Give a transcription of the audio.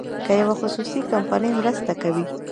که یوه خصوصي کمپنۍ مرسته کوي.